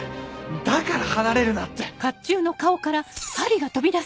だから離れるなって。